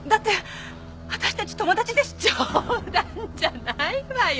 冗談じゃないわよ！